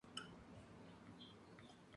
Tras el incidente las chicas se vuelven amigas.